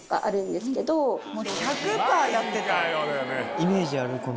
イメージある。